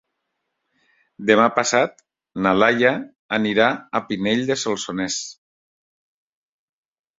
Demà passat na Laia anirà a Pinell de Solsonès.